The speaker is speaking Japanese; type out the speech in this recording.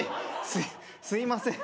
すいすいません。